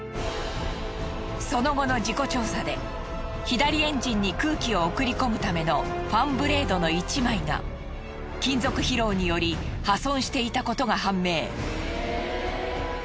その後の事故調査で左エンジンに空気を送り込むためのファンブレードの１枚が金属疲労により破損していたことが判明。